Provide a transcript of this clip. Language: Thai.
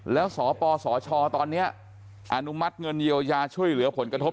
แล้วสปสชตอนนี้อนุมัติเงินเยียวยาช่วยเหลือผลกระทบ